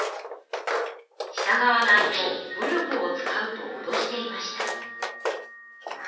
「したがわないと武力を使う」とおどしていました。